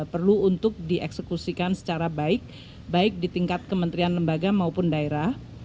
perlu untuk dieksekusikan secara baik baik di tingkat kementerian lembaga maupun daerah